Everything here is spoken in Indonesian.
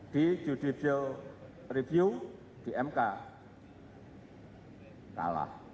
di judi jel review di mk kalah